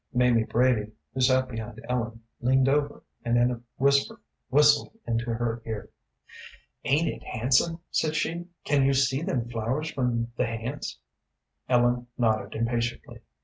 Mamie Brady, who sat behind Ellen, leaned over, and in a whisper whistled into her ear. "Ain't it handsome?" said she. "Can you see them flowers from the hands?" Ellen nodded impatiently.